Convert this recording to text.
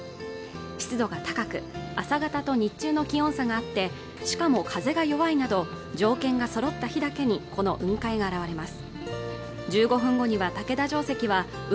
湿度が高く、朝方と日中の気温差があって、しかも風が弱いなど条件が揃った日だけに、この雲海が現れます。